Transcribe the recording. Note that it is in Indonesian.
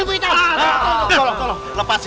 gua janji gak bakal ganggu kalian lagi